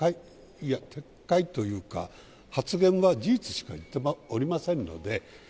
いや、撤回というか、発言は事実しか言っておりませんので。